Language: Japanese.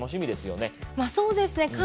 そうですね。